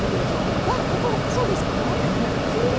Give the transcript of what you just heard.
ここ、そうですか？